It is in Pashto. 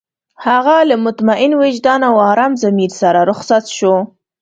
هغه له مطمئن وجدان او ارام ضمير سره رخصت شو.